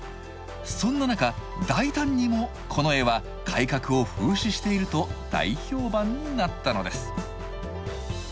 そんな中大胆にもこの絵は改革を風刺していると大評判になったのです。